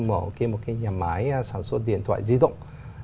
mở thêm một cái nhà máy sản xuất điện thoại di động